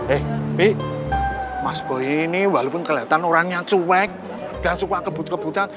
eh bi mas boy ini walaupun kelihatan orangnya cuek dan suka kebut kebutan